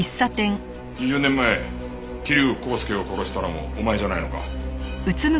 ２０年前桐生康介を殺したのもお前じゃないのか？